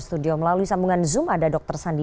studio melalui sambungan zoom ada dr sandi